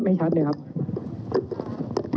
เรามีการปิดบันทึกจับกลุ่มเขาหรือหลังเกิดเหตุแล้วเนี่ย